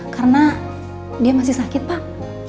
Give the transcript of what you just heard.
karena dia masih sakit pak